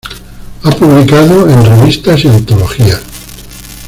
Ha publicado en revistas y antologías.